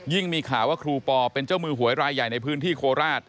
มีข่าวว่าครูปอเป็นเจ้ามือหวยรายใหญ่ในพื้นที่โคราช